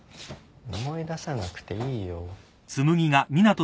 思い出さなくていいよ。